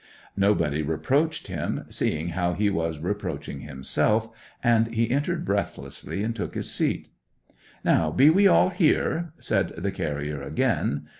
Nobody reproached him, seeing how he was reproaching himself; and he entered breathlessly and took his seat. 'Now be we all here?' said the carrier again.